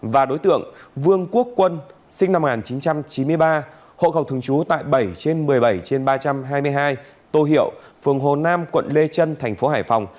và đối tượng vương quốc quân sinh năm một nghìn chín trăm chín mươi ba hộ khẩu thường trú tại bảy trên một mươi bảy ba trăm hai mươi hai tô hiệu phường hồ nam quận lê trân thành phố hải phòng